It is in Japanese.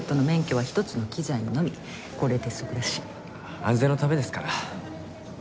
安全のためですから。